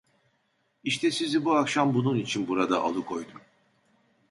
İşte sizi bu akşam bunun için burada alıkoydum.